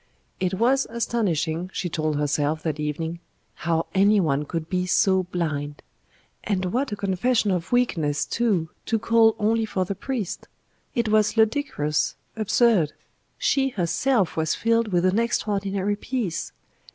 It was astonishing, she told herself that evening, how any one could be so blind. And what a confession of weakness, too, to call only for the priest! It was ludicrous, absurd! She herself was filled with an extraordinary peace.